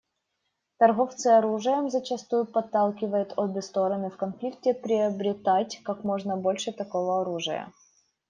Торговцы оружием зачастую подталкивают обе стороны в конфликте приобретать как можно больше такого оружия.